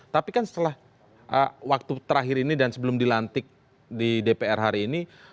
tapi kan setelah waktu terakhir ini dan sebelum dilantik di dpr hari ini